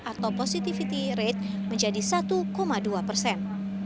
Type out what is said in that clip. atau positivity rate menjadi satu dua persen